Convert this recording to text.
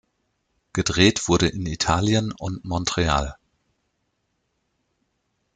Gedreht wurde in Italien und Montreal.